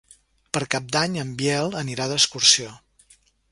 Per Cap d'Any en Biel anirà d'excursió.